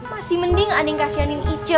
masih mending aning kasihanin ije